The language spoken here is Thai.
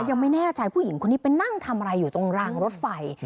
ยังไม่แน่ใจผู้หญิงคนนี้ไปนั่งทำอะไรอยู่ตรงรางรถไฟ